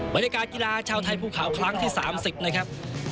บรรยากาศกีฬาชาวไทยภูเขาครั้งที่๓๐นะครับ